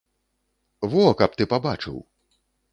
Во, каб ты пабачыў.